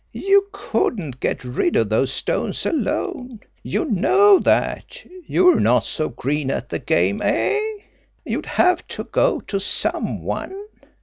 You couldn't get rid of those stones alone. You know that; you're not so green at the game, eh? You'd have to go to some one.